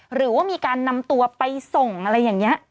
หรือว่ามีการนำตัวไปส่งอะไรอย่างนี้